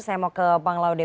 saya mau ke bang laude